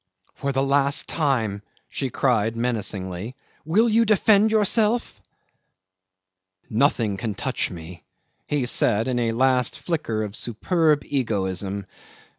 "For the last time," she cried menacingly, "will you defend yourself?" "Nothing can touch me," he said in a last flicker of superb egoism.